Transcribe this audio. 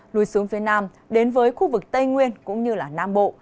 lùi xuống phía nam đến với khu vực tây nguyên cũng như nam bộ